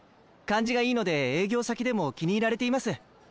感じがいいので営業先でも気に入られています。